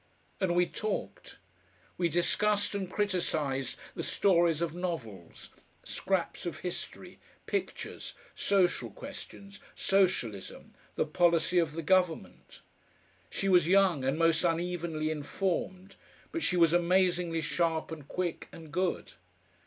And we talked. We discussed and criticised the stories of novels, scraps of history, pictures, social questions, socialism, the policy of the Government. She was young and most unevenly informed, but she was amazingly sharp and quick and good.